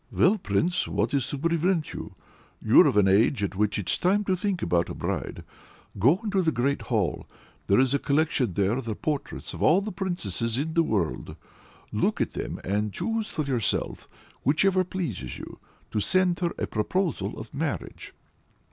"Well, Prince! what's to prevent you? you're of an age at which it's time to think about a bride. Go into the great hall. There's a collection there of the portraits of all the princesses in the world; look at them and choose for yourself; whichever pleases you, to her send a proposal of marriage."